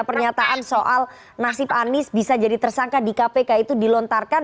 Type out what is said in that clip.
pernyataan soal nasib anies bisa jadi tersangka di kpk itu dilontarkan